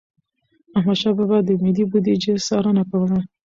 احمدشاه بابا به د ملي بوديجي څارنه کوله.